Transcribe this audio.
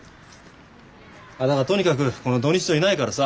あだからとにかく土日といないからさ。